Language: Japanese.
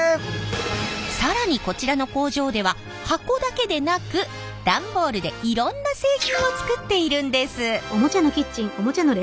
更にこちらの工場では箱だけでなく段ボールでいろんな製品を作っているんです。